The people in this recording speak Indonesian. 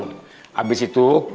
yaudah ambil air minum